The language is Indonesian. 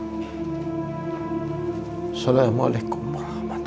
assalamualaikum warahmatullahi wabarakatuh